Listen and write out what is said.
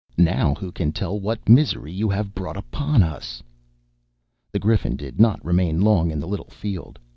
Now who can tell what misery you have brought upon us." The Griffin did not remain long in the little field.